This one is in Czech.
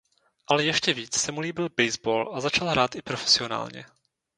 Ale ještě víc se mu líbil baseball a začal hrát i profesionálně.